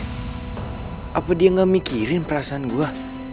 tapi dia juga gak mikirin perasaan gue